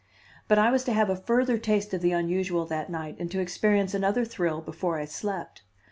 But I was to have a further taste of the unusual that night and to experience another thrill before I slept.